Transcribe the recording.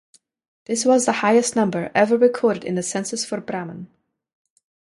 This was the highest number ever recorded in the census for Braman.